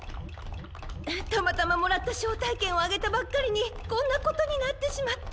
たまたまもらったしょうたいけんをあげたばっかりにこんなことになってしまって。